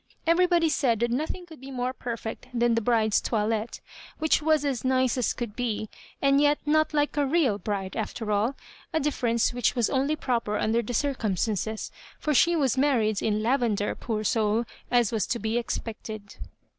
Everybody said that nothing could be more perfect than the bride's toilette, which was as nice as could be, and yet not like a real bride after all ; a differ ence which was only proper under the circum stances ; for she was married in lavender, poor soul, as was to be expected.